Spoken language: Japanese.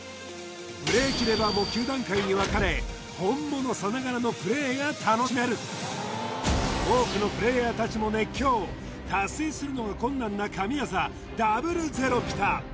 ブレーキレバーも９段階に分かれ本物さながらのプレーが楽しめる多くのプレイヤーたちも熱狂達成するのが困難な神業ダブルゼロピタ